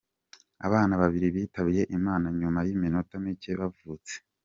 Abana babiri bitabye Imana nyuma y’iminota mike baavutse.